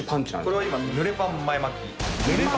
これは今濡れパン前巻き。